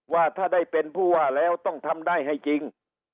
ว่าถ้าได้เป็นผู้ว่าแล้วต้องทำได้ให้จริง